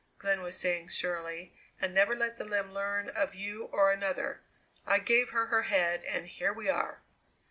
Glenn was saying surlily, "and never let the limb learn of you or another. I gave her her head and here we are!"